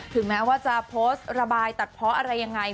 ถึงแม้ว่าจะโพสต์ระบายตัดเพราะอะไรยังไง